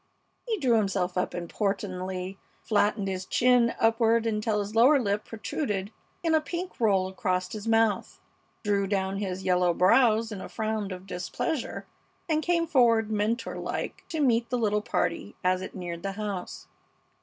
He drew himself up importantly, flattened his chin upward until his lower lip protruded in a pink roll across his mouth, drew down his yellow brows in a frown of displeasure, and came forward mentor like to meet the little party as it neared the house.